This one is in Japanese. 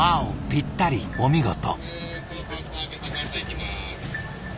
ぴったりお見事。